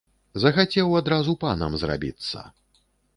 Захацеў адразу панам зрабіцца!